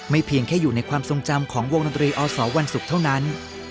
เพียงแค่อยู่ในความทรงจำของวงดนตรีอสวันศุกร์เท่านั้น